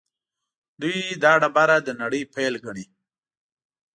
دوی دا ډبره د نړۍ پیل ګڼي.